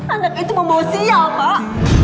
anak itu membawa sial pak